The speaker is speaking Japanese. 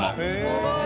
すごい。